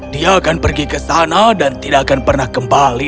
dia akan pergi ke sana dan tidak akan pernah kembali